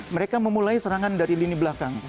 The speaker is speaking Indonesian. mereka memulai serangan dari lini belakang